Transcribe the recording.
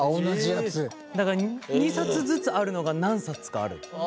だから２冊ずつあるのが何冊かある。